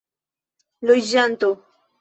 loĝanto